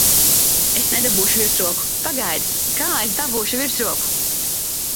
Es nedabūšu virsroku! Pagaidi, kā es dabūšu virsroku!